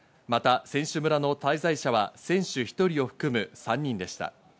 また選手村の滞在者は選手１人を含む３人でした。